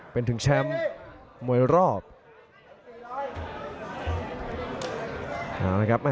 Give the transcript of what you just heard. เป็นถึงแชมป์มวยรอบ